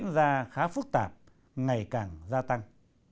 mà khá phức tạp ngày càng gia tăng